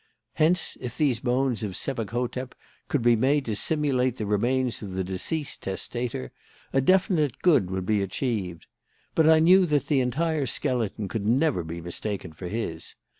Hence, if these bones of Sebek hotep could be made to simulate the remains of the deceased testator, a definite good would be achieved. But I knew that the entire skeleton could never be mistaken for his.